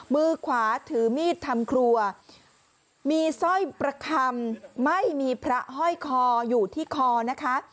มือขวาถือมีดทำครัวมีสร้อยประคำไม่มีพระห้อยคออยู่ที่คอนะคะ